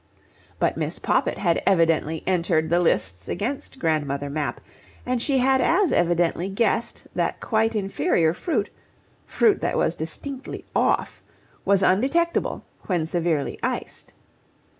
But Miss Poppit had evidently entered the lists against Grandmother Mapp, and she had as evidently guessed that quite inferior fruit fruit that was distinctly "off" was undetectable when severely iced.